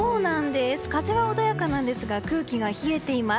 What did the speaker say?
風は穏やかなんですが空気は冷えています。